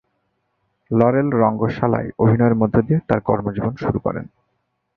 Lauryl রঙ্গশালায় অভিনয়ের মধ্য দিয়ে তার কর্মজীবন শুরু করেন।